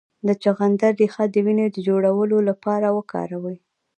د چغندر ریښه د وینې د جوړولو لپاره وکاروئ